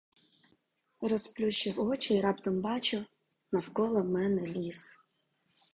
Розплющив очі й раптом бачу: навколо мене — ліс.